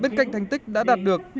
bên cạnh thành tích đã đạt được